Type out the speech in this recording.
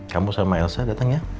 kamu sama elsa datang ya